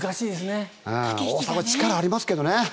大迫は力ありますけどね。